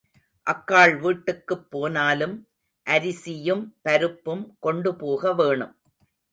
அக்காள் வீட்டுக்குப் போனாலும் அரிசியும் பருப்பும் கொண்டு போக வேணும்.